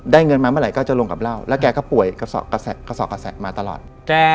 ได้เงินมาเมื่อไหร่รับจะลงกับเหล้า